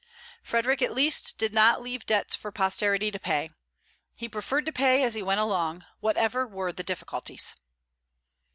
Frederic, at least, did not leave debts for posterity to pay; he preferred to pay as he went along, whatever were the difficulties.